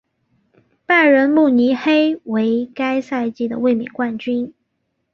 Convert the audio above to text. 拜仁慕尼黑为该赛季的卫冕冠军。